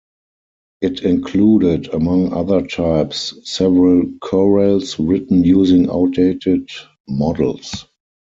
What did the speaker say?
It included, among other types, several chorales written using outdated models.